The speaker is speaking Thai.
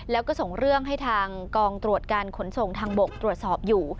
แล้วก็ส่งเรื่องให้ทางกองตรวจการขนส่งทางบกตรวจสอบอยู่